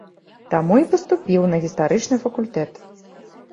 Таму і паступіў на гістарычны факультэт.